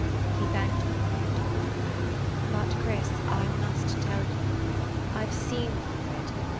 He thanked me for it. "But, Chris, I must tell you. I 've seen Margaret.